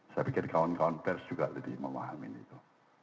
saya pikir kawan kawan pers juga lebih memahamin itu